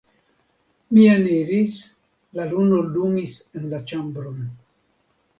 Mi eniris, la luno lumis en la ĉambron.